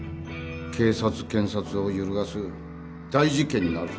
警察検察を揺るがす大事件になるぞ